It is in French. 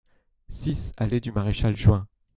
six allée du Maréchal Juin